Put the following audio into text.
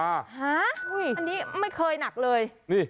อันนี้ไม่เคยหนักเลย